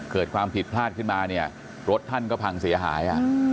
เกิดความผิดพลาดขึ้นมาเนี่ยรถท่านก็พังเสียหาย